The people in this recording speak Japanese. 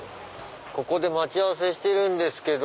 ここで待ち合わせしてるんですけど。